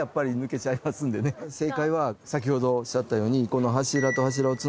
正解は先ほどおっしゃったように。